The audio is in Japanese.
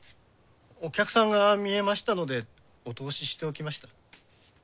お客さんがみえましたのでお通ししておきました。